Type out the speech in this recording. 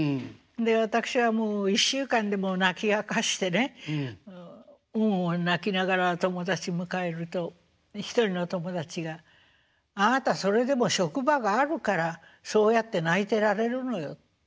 で私はもう１週間でも泣き明かしてねもう泣きながら友達迎えると１人の友達が「あなたそれでも職場があるからそうやって泣いてられるのよ」と言われました。